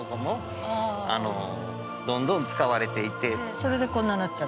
それでこんななっちゃった。